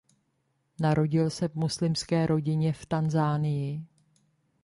Narodil se v muslimské rodině v Tanzanii.